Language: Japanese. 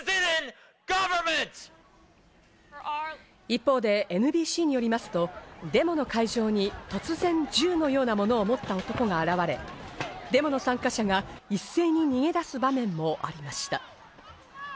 一方でＮＢＣによりますと、デモの会場に突然、銃のようなものを持った男が現れ、デモの参加者が一斉に逃げ出す場面もありました。